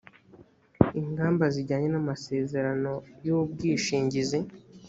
ingamba zijyanye n amasezerano y ubwishingizi